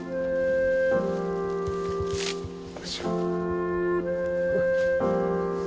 よいしょ。